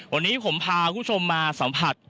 วันนี้ผมพาคุณผู้ชมมาสัมผัส